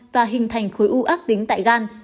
và hình thành khối u ác tính tại gan